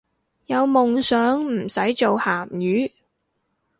有夢想唔使做鹹魚